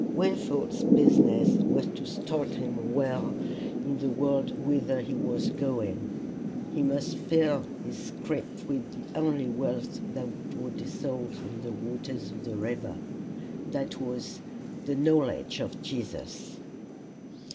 Wingfold's business was to start him well in the world whither he was going. He must fill his scrip with the only wealth that would not dissolve in the waters of the river that was, the knowledge of Jesus.